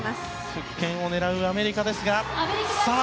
復権を狙うアメリカですが。